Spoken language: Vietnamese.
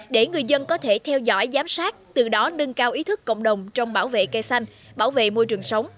để người dân có thể theo dõi giám sát từ đó nâng cao ý thức cộng đồng trong bảo vệ cây xanh bảo vệ môi trường sống